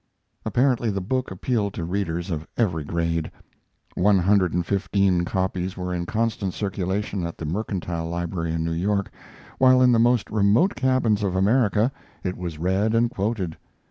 Apparently the book appealed to readers of every grade. One hundred and fifteen copies were in constant circulation at the Mercantile Library, in New York, while in the most remote cabins of America it was read and quoted.